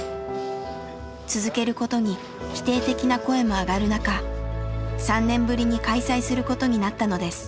続けることに否定的な声もあがる中３年ぶりに開催することになったのです。